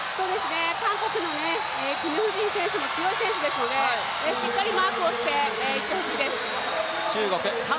韓国のキム・ジフン選手も非常に強い選手ですのでしっかりマークしていってほしいです。